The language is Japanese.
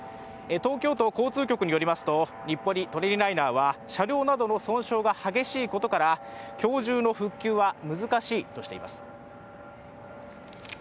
東京都交通局によると日暮里・舎人ライナーは車両などの損傷が激しいことから今日中の復旧は難しいとしています。